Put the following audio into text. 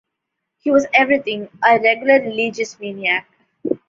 He was everything — a regular religious maniac.